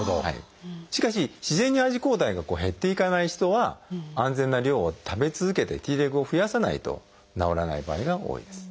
しかし自然にＩｇＥ抗体が減っていかない人は安全な量を食べ続けてＴレグを増やさないと治らない場合が多いです。